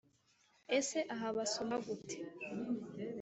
Ese aha basoma gute